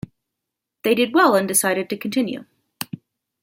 They did well and decided to continue.